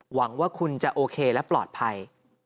หวังว่าคุณจะโอเคและปลอดภัย